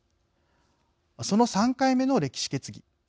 その３回目の歴史決議。